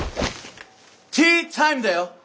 ティータイムだよ！